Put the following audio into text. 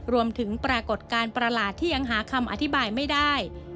ปรากฏการณ์ประหลาดที่ยังหาคำอธิบายไม่ได้